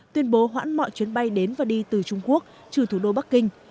tuyên bố hoãn mọi chuyến bay đến và đi từ trung quốc trừ thủ đô bắc kinh